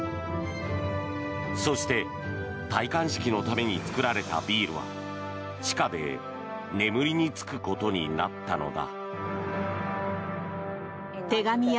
そして戴冠式のために造られたビールは地下で眠りに就くことになったのだ。